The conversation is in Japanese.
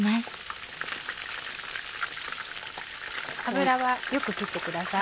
油はよく切ってください。